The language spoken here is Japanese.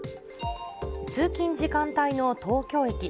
通勤時間帯の東京駅。